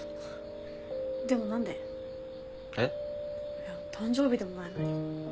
いや誕生日でもないのに。